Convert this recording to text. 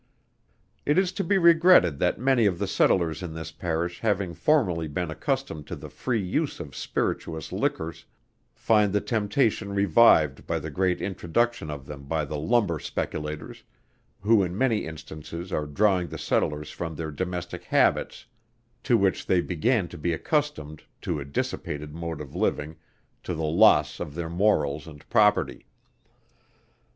It is to be regretted that many of the settlers in this Parish having formerly been accustomed to the free use of spirituous liquors, find the temptation revived by the great introduction of them by the lumber speculators, who in many instances are drawing the settlers from their domestic habits, to which they began to be accustomed, to a dissipated mode of living, to the loss of their morals and property.